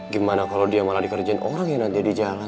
gimana kalau dia malah dikerjain orang ya nanti di jalan